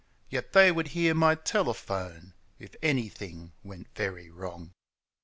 Yet they would hear my telephone If anything went very wrong.